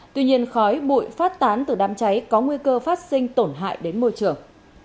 tuy nhiên khói bụi phát tán từ đám cháy có nguy cơ phát sinh tổn hại đến môi trường